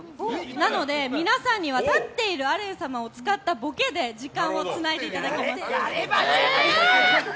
なので、皆さんには立っているアレン様を使ったボケで時間をつないでいただきます。